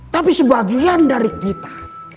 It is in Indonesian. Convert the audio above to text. tapi sebagian dari kita